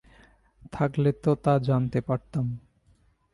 থাকলে তো তা জানতে পারতাম।